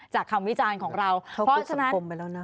จากคำวิจารณ์ของเราเข้าคุกสังคมไปแล้วนะ